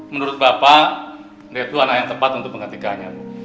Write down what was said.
menurut bapak dia itu anak yang tepat untuk menghentikannya